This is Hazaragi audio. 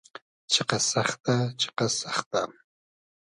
چیقئس سئختۂ ..... چیقئس سئختۂ .....